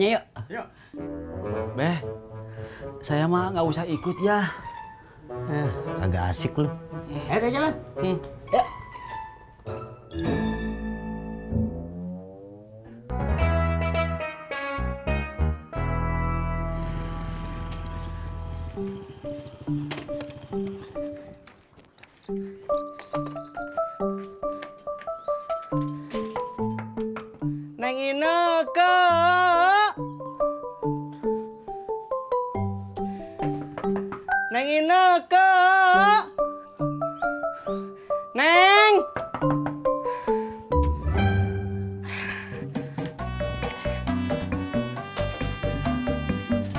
aku kerajaan ini duitnya bagus learn dari ditanpil